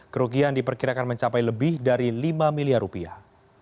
kerugian diperkirakan mencapai lebih dari lima miliar rupiah